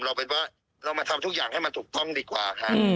เราเป็นว่าเรามาทำทุกอย่างให้มันถูกต้องดีกว่าค่ะ